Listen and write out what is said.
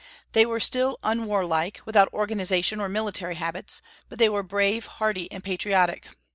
They were still unwarlike, without organization or military habits; but they were brave, hardy, and patriotic.